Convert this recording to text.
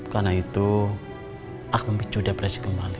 karena itu aku memicu depresi kembali